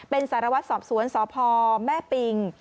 เป็นสารวัตรสอบสวนสพแม่ปิง